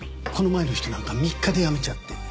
この前の人なんか３日で辞めちゃって。